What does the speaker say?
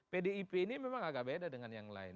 pdip ini memang agak beda dengan yang lain